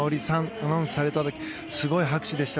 アナウンスされた時すごい拍手でした。